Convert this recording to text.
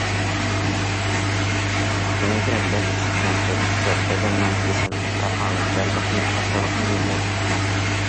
كۈنىگە بەش ئىستاكان چاي ئىچسە، بەدەننىڭ كېسەلگە تاقابىلچانلىقىنى ئاشۇرغىلى بولىدىكەن.